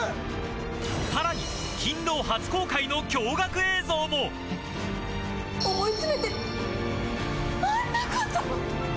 さらに『金ロー』初公開の驚愕映像も思い詰めてあんなこと！